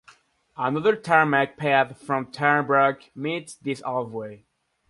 Another tarmac path from Tarnbrook meets this half way.